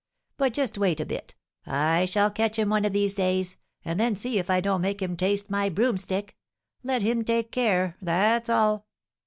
But just wait a bit: I shall catch him one of these days, and then see if I don't make him taste my broomstick! Let him take care, that's all!"